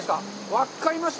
分かりました。